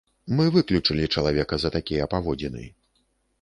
Мы выключылі чалавека за такія паводзіны.